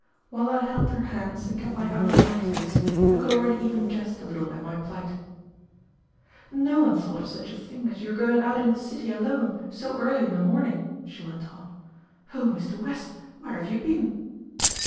While I held her hands and kept my eyes on her face, I could already even jest a little at my plight. "No one thought of such a thing as your going out in the city alone so early in the morning," she went on. "Oh, Mr. West, where have you been?"